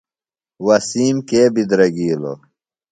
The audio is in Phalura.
وسیم کے بدرَگِیلُوۡ؟